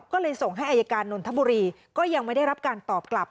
ก็เลยส่งให้อายการนนทบุรีก็ยังไม่ได้รับการตอบกลับ